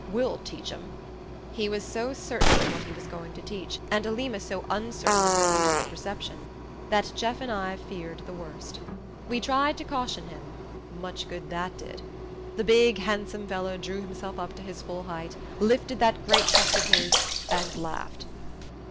We'll teach 'em!" He was so certain of what he was going to teach, and Alima so uncertain in her moods of reception, that Jeff and I feared the worst. We tried to caution him much good that did. The big handsome fellow drew himself up to his full height, lifted that great chest of his, and laughed.